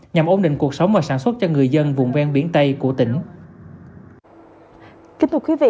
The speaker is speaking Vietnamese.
nhằm ổn định cuộc sống và sản xuất cho người dân vùng ven biển tây của tỉnh